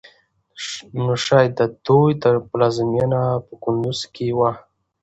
نو شايد د دوی پلازمېنه په کندوز کې وه